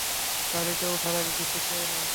গাড়িতে উঠার আগে কিছু খেয়ে নাও।